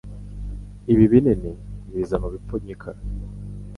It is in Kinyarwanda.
Ibi binini biza mubipfunyika.